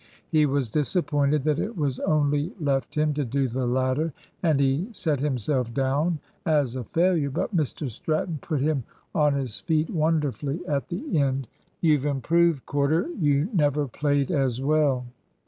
He was disappointed that it was only left him to do the latter; and he set himself down as a failure. But Mr Stratton put him on his feet wonderfully at the end. "You've improved, Corder. You never played as well."